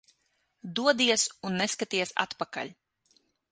Dodies un neskaties atpakaļ.